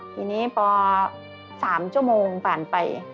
ทีนี้พอ๓ชั่วโมงผ่านไป